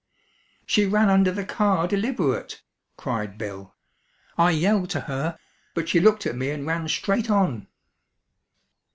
"She ran under the car deliberate!" cried Bill. "I yelled to her, but she looked at me and ran straight on!"